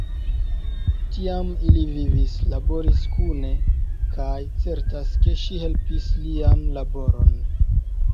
Tiam ili vivis, laboris kune kaj certas, ke ŝi helpis lian laboron.